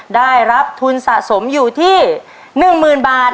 ได้รับทุนสะสมอยู่ที่๑๐๐๐บาท